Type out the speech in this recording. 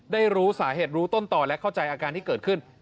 รู้สาเหตุรู้ต้นต่อและเข้าใจอาการที่เกิดขึ้น